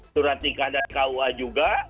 surat nikah dan kua juga